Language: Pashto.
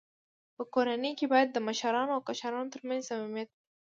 په کورنۍ کي باید د مشرانو او کشرانو ترمنځ صميميت وي.